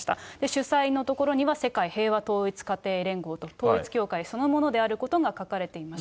主催のところには世界平和統一家庭連合と統一教会そのものであるエイトさんは。